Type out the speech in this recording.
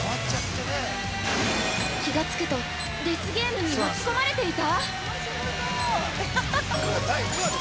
◆気がつくと、デスゲームに巻き込まれていた！？